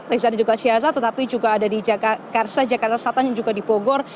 reza ada juga syaza tetapi juga ada di jakarta satang yang juga di pogor